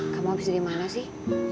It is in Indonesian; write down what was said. kamu habis dimana sih